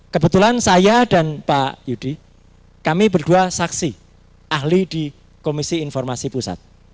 kebetulan saya dan pak yudi kami berdua saksi ahli di komisi informasi pusat